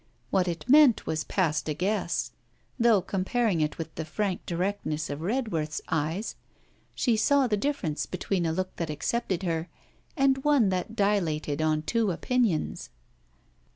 What it meant was past a guess, though comparing it with the frank directness of Redworth's eyes, she saw the difference between a look that accepted her and one that dilated on two opinions.